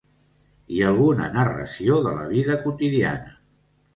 I alguna narració de la vida quotidiana.